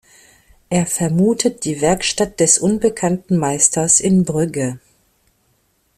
Er vermutet die Werkstatt des unbekannten Meisters in Brügge.